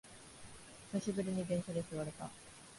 久しぶりに電車で座れた